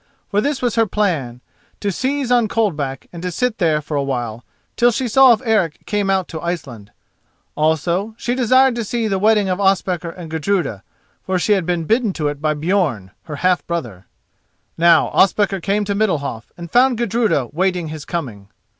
For this was her plan: to seize on Coldback and to sit there for a while, till she saw if Eric came out to Iceland. Also she desired to see the wedding of Ospakar and Gudruda, for she had been bidden to it by Björn, her half brother. Now Ospakar came to Middalhof, and found Gudruda waiting his coming.